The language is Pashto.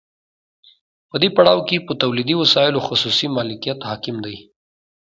په دې پړاو کې په تولیدي وسایلو خصوصي مالکیت حاکم دی